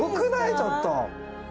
ちょっと。